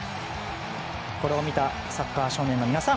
これを見たサッカー少年の皆さん